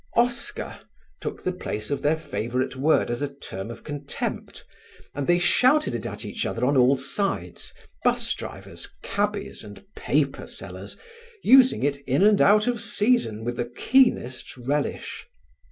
"Oscar" took the place of their favourite word as a term of contempt, and they shouted it at each other on all sides; bus drivers, cabbies and paper sellers using it in and out of season with the keenest relish.